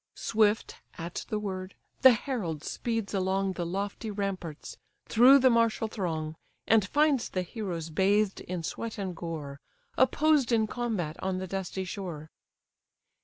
Swift, at the word, the herald speeds along The lofty ramparts, through the martial throng, And finds the heroes bathed in sweat and gore, Opposed in combat on the dusty shore.